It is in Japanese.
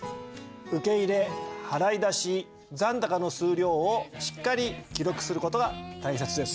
受入払出残高の数量をしっかり記録する事が大切です。